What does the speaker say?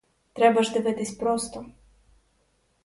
Треба ж дивитись просто.